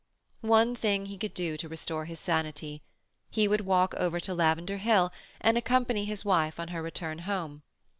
One thing he could do to restore his sanity. He would walk over to Lavender Hill, and accompany his wife on her return home.